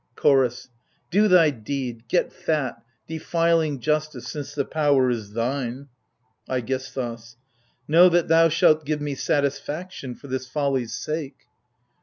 CHORDS. Do thy deed, get fat, defiling justice, since the power is thine ! AIGISTHOS. Know that thou shalt give me satisfaction for this folly's sake